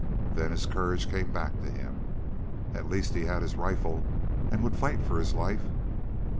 Then his courage came back to him; at least he had his rifle and would fight for his life.